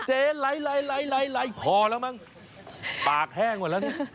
เจ๊ไลท์พอแล้วมั้งปากแห้งหมดแล้วเนี่ย